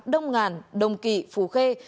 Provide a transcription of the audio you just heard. đông ngàn đồng kỳ phú khê